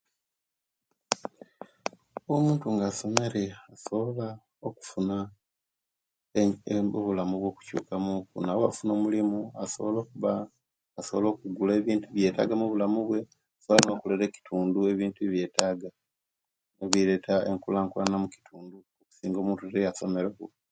Omuntu nga asomele asobola okufuna obulamu we okuchukakumu nadala nga afunile omulimo asobola okuba asobola okugula ebintu byeyetaaga omubulamu bwe okukolera ekitundu ebintu byeyetaaga ebireta enkulakulana omukitundu okusinga omuntu eteyasomele ku